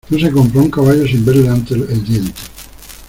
no se compra un caballo sin verle antes el diente.